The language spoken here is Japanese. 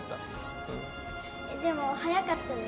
でも速かったです。